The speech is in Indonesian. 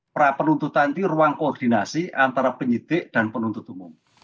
pra penuntutan itu ruang koordinasi antara penyidik dan penuntut umum